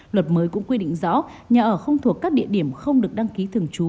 luật mới cũng quy định rõ nhà ở không thuộc các địa điểm không được đăng ký thường trú